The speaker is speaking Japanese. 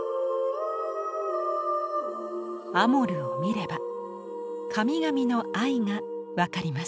アモルを見れば神々の愛が分かります。